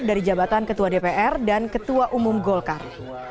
dari jabatan ketua dpr dan ketua umum golkar